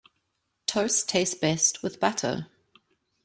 Toast tastes best with butter.